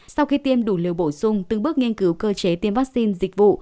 sau khi tiêm đủ liều bổ sung từng bước nghiên cứu cơ chế tiêm vaccine dịch vụ